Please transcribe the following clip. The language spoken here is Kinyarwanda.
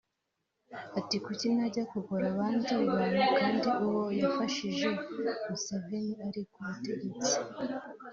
Ati “Kuki najya kugora abandi bantu kandi uwo yafashije [Museveni] ari ku butegetsi